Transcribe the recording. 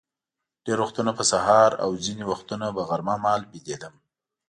ډېر وختونه به سهار او ځینې وختونه به غرمه مهال بېدېدم.